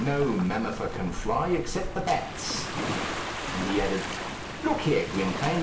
No mammifer can fly except the bats." And he added, "Look here, Gwynplaine!